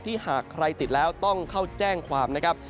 หากใครติดแล้วต้องเข้าแจ้งความนะครับ